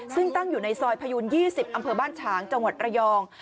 ซึ่งตั้งอยู่ในซอยพยูน๒๐อำเภอบ้านฉางจังหวัดระยอง